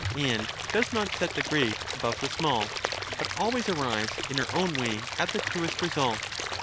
and does not set the great above the small, but always arrives in her own way at the truest result.